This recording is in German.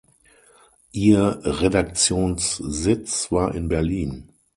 Ihr Redaktionssitz war in Berlin.